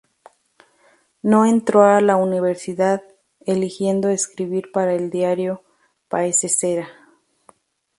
No entró a la universidad, eligiendo escribir para el diario "Paese Sera".